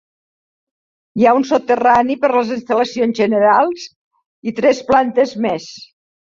Hi ha un soterrani per a instal·lacions generals i tres plantes més.